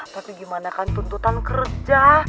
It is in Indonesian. tapi gimana kan tuntutan kerja